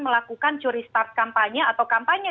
melakukan curi start kampanye atau kampanye